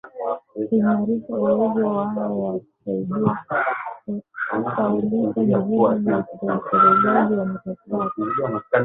kuimarisha uwezo wao wa kusaidia kufaulisha juhudi za utekelezaji wa mikakati